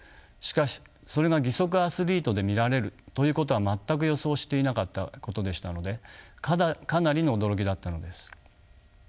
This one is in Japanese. しかしそれが義足アスリートで見られるということは全く予想していなかったことでしたのでかなりの驚きだったのです。